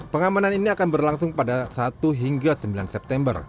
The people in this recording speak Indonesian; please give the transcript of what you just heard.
pengamanan ini akan berlangsung pada satu hingga sembilan september